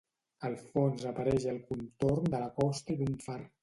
Al fons apareix el contorn de la costa i d'un far.